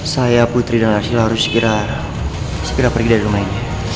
saya putri dan arsila harus segera pergi dari rumah ini